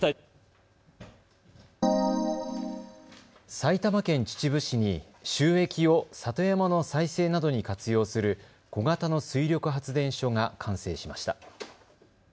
埼玉県秩父市に収益を里山の再生などに活用する小型の水力発電所が完成しました。